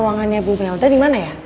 ruangan ibu melda dimana ya